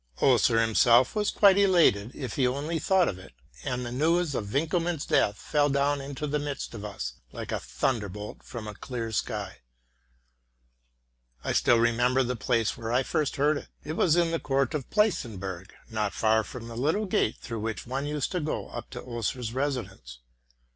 Oeser himself was quite elated if he only thought of it, and the news of Winckelmann's death fell down into the midst of us like a thunderbolt from a clear sky. I still remember the place where I first heard it: it was in the court of the Pleissenburg, not far from the little gate through which one used to go up to Oeser's residence.